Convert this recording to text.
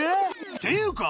っていうか